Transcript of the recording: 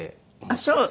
あっそう。